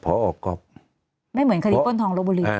เพราะออกก๊อบไม่เหมือนคดีป้นทองโลโบรี